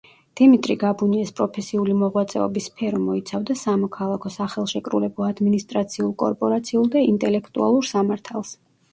დიმიტრი გაბუნიას პროფესიული მოღვაწეობის სფერო მოიცავდა სამოქალაქო, სახელშეკრულებო, ადმინისტრაციულ, კორპორაციულ და ინტელექტუალურ სამართალს.